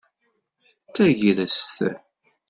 D tagrest.